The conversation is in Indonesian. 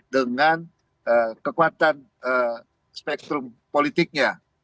dengan kekuatan spektrum politiknya